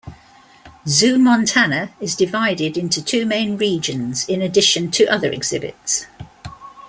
ZooMontana is divided into two main "regions" in addition to other exhibits.